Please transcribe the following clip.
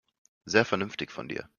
Sehr vernünftig von dir.